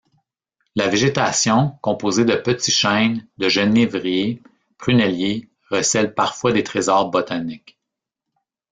La végétation, composée de petits chênes, de genévriers, pruneliers… recèle parfois des trésors botaniques.